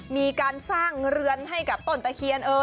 มีการสร้างเรือนให้กับต้นตะเคียน